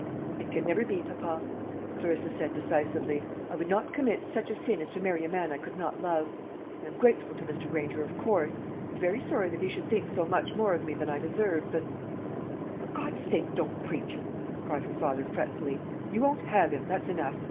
"It can never be, papa," Clarissa said decisively; "I would not commit such a sin as to marry a man I could not love. I am grateful to Mr. Granger, of course, and very sorry that he should think so much more of me than I deserve, but " "For God's sake don't preach!" cried her father fretfully. "You won't have him; that's enough.